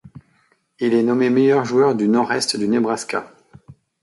Il est nommé meilleur joueur du nord-est du Nebraska.